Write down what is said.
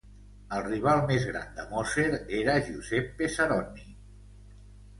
El rival més gran de Moser era Giuseppe Saronni.